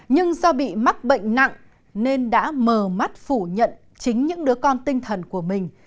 nhưng do bị mắc bệnh nặng nên đã mờ mắt phủ nhận chính những đứa con tinh thần của mình